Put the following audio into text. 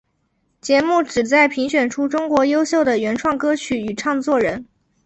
节目旨在评选出中国优秀的原创歌曲与唱作人。